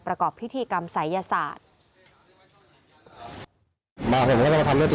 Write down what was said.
ประกอบพิธีกรรมศัยยศาสตร์